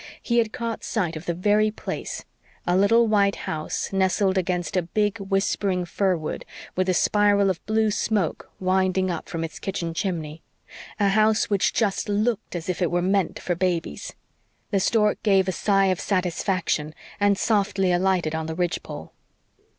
He had caught sight of the very place a little white house nestled against a big, whispering firwood, with a spiral of blue smoke winding up from its kitchen chimney a house which just looked as if it were meant for babies. The stork gave a sigh of satisfaction, and softly alighted on the ridge pole.